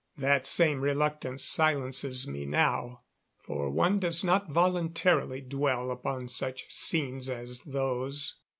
That same reluctance silences me now, for one does not voluntarily dwell upon such scenes as those.